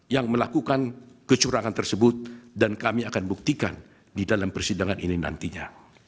yang melakukan kecurangan tersebut dan kami akan buktikan di dalam persidangan ini nantinya